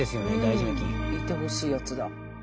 いてほしいやつだ。